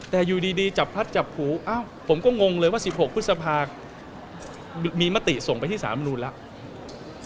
แต่อยู่ดีจับพัดจับหูอ้าวผมก็งงเลยว่า๑๖พฤษภามีมติส่งไปที่สามนูนแล้ว